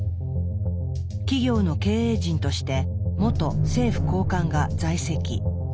企業の経営陣として元政府高官が在籍。